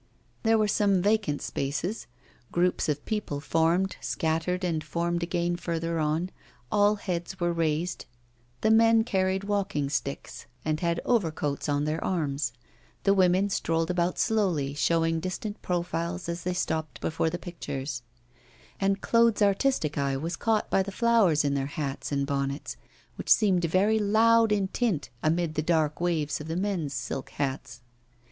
There were some vacant spaces; groups of people formed, scattered, and formed again further on; all heads were raised; the men carried walking sticks and had overcoats on their arms, the women strolled about slowly, showing distant profiles as they stopped before the pictures; and Claude's artistic eye was caught by the flowers in their hats and bonnets, which seemed very loud in tint amid the dark waves of the men's silk hats.